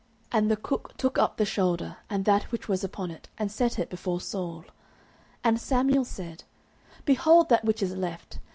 09:009:024 And the cook took up the shoulder, and that which was upon it, and set it before Saul. And Samuel said, Behold that which is left!